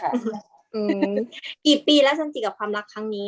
อืมกี่ปีแล้วจันจิกับความรักครั้งนี้